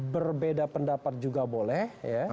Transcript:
berbeda pendapat juga boleh